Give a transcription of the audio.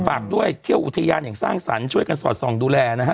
ฝากด้วยเที่ยวอุทยานอย่างสร้างสรรค์ช่วยกันสอดส่องดูแลนะฮะ